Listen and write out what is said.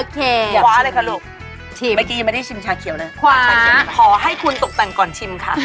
คว้าเลยค่ะลูกเมื่อกี้ยังไม่ได้ชิมชาเขียวเลยคว้าค่ะชิมขอให้คุณตกแต่งก่อนชิมค่ะ